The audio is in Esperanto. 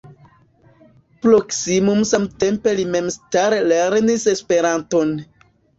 Proksimume samtempe li memstare lernis Esperanton.